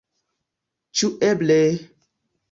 Ĉu eble!